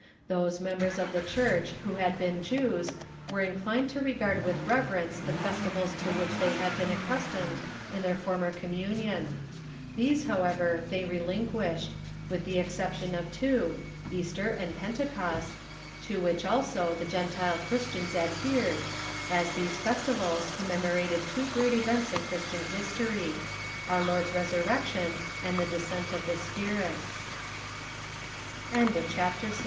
Those members of the Church who had been Jews were in clined to regard with reverence the festivals to which they had been accustomed in their former communion. These, however, they relinquished, with the exception of two, Easter and Pentecost, to which also the Gentile Christians adhered, as these festivals commemorated two great events in Chris tian history — our Lord's resurrection a